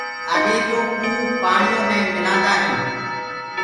آڏيري يو ڪوُ پآڻيو مي مِلآندآ هينٚ۔